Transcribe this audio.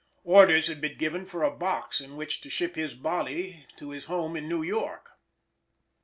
Orders had been given for a box in which to ship his body to his home in New York.